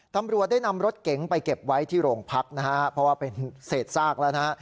ตำรวจได้นำรถเก๋งไปเก็บไว้ที่โรงพักนะฮะเพราะว่าเป็นเศษซากแล้วนะฮะ